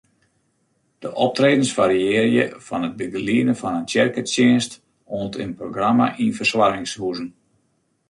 De optredens fariearje fan it begelieden fan in tsjerketsjinst oant in programma yn fersoargingshuzen.